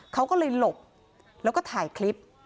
เขาก็เลยหลบแล้วก็ถ่ายคลิป